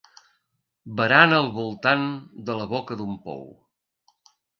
Barana al voltant de la boca d'un pou.